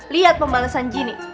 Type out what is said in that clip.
lihat pembalasan jin